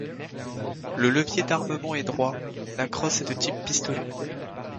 Le levier d'armement est droit, la crosse est de type pistolet.